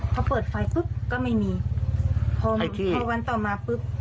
พอเปิดไฟปุ๊บก็ไม่มีพอวันต่อมาปุ๊บ